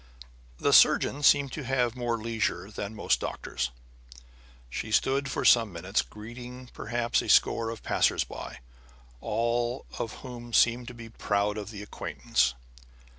The surgeon seemed to have more leisure than most doctors. She stood for some minutes, greeting perhaps a score of passers by, all of whom seemed to be proud of the acquaintance.